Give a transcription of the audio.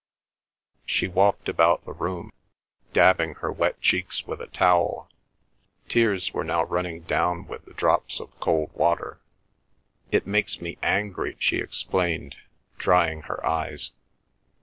She walked about the room, dabbing her wet cheeks with a towel. Tears were now running down with the drops of cold water. "It makes me angry," she explained, drying her eyes.